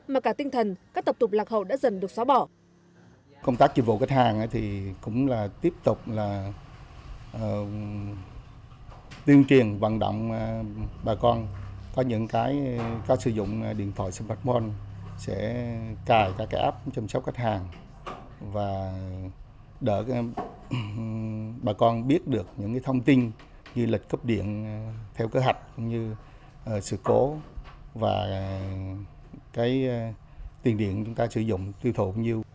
mà cả tinh thần các tập tục lạc hậu đã dần được xóa bỏ